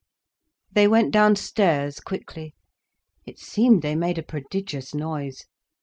They went downstairs quickly. It seemed they made a prodigious noise.